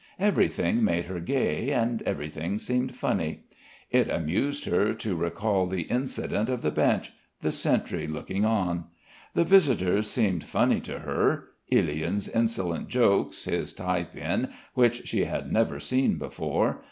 Everything made her gay and everything seemed funny. It amused her to recall the incident of the bench, the sentry looking on. The visitors seemed funny to her, Ilyin's insolent jokes, his tie pin which she had never seen before.